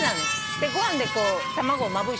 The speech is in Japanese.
でご飯で卵まぶして。